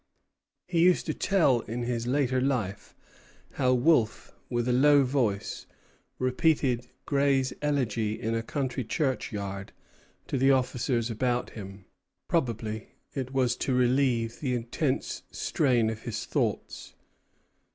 He used to tell in his later life how Wolfe, with a low voice, repeated Gray's Elegy in a Country Churchyard to the officers about him. Probably it was to relieve the intense strain of his thoughts.